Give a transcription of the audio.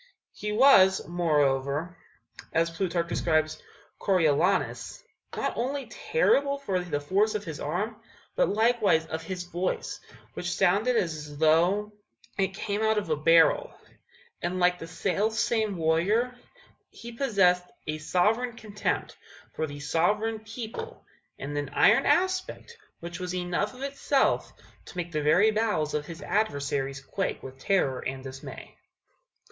He was, moreover, as Plutarch describes Coriolanus, not only terrible for the force of his arm, but likewise of his voice, which sounded as though it came out of a barrel; and, like the self same warrior, he possessed a sovereign contempt for the sovereign people, and an iron aspect which was enough of itself to make the very bowels of his adversaries quake with terror and dismay.